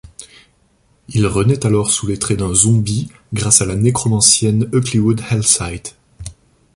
Il renaît alors sous les traits d'un zombie grâce à la nécromancienne Eucliwood Hellscythe.